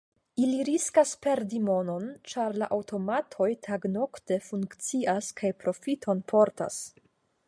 Ili riskas perdi monon, ĉar la aŭtomatoj tagnokte funkcias kaj profiton portas.